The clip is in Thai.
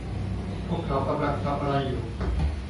พวกเขากำลังทำอะไรอยู่